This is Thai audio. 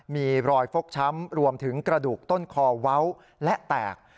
มีรอยฟกช้ำรวมถึงกระดูกต้นคอเว้าและแตก